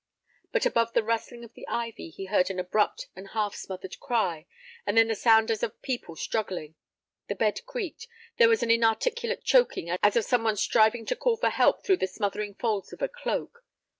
But above the rustling of the ivy he heard an abrupt and half smothered cry, and then the sound as of people struggling. The bed creaked; there was an inarticulate choking as of some one striving to call for help through the smothering folds of a cloak.